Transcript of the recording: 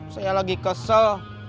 saya lagi kesel